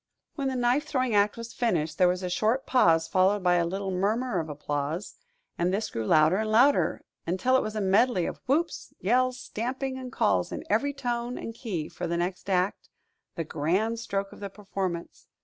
When the knife throwing act was finished, there was a short pause followed by a little murmur of applause; and this grew louder and louder, until it was a medley of whoops, yells, stamping, and calls in every tone and key for the next act the grand stroke of the performance.